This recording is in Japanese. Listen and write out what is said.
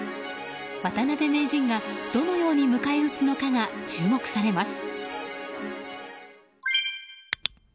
渡辺名人がどのように迎え撃つのかが注目されます。